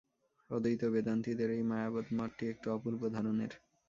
অদ্বৈতবেদান্তীদের এই মায়াবাদ-মতটি একটু অপূর্ব ধরনের।